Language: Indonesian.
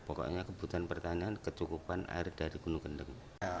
pokoknya kebutuhan pertanian kecukupan air dari gunung kendeng